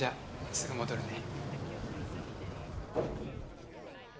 すぐ戻るね。